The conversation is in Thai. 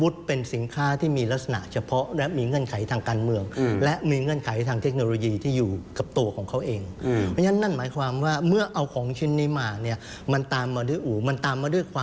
ที่โผล่ขึ้นมาพร้อมกับเรือดำน้ำอีก